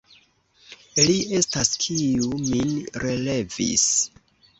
Li estas, kiu min relevis.